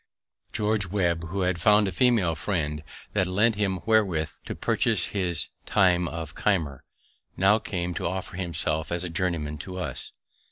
George Webb, who had found a female friend that lent him wherewith to purchase his time of Keimer, now came to offer himself as a journeyman to us.